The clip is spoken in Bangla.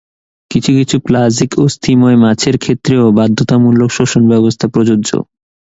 কিছু কিছু প্লাজিক অস্থিময় মাছের ক্ষেত্রেও বাধ্যতামূলক শ্বসন ব্যবস্থা প্রযোজ্য।